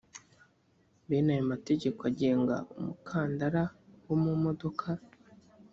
bene ayo mategeko agenga umukandara wo mu modoka